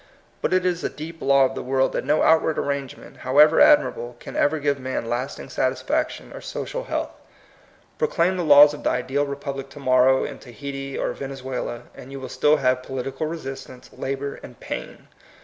But it is a deep law of the world that no outward arrangement, how ever admirable, can ever give man lasting satisfaction or social health. Proclaim the THE MOTTO OF VICTORY. 169 laws of the ideal republic to morrow in Tahiti or Venezuela, and you will still have political resistance, labor, and pain.